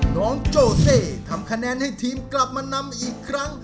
น้องโจเซทำคะแนนให้ทีมกลับมานำอีกครั้ง